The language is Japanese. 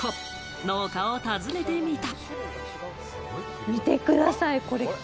農家を訪ねてみた。